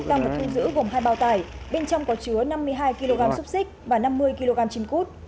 tăng vật thu giữ gồm hai bao tải bên trong có chứa năm mươi hai kg xúc xích và năm mươi kg chim cút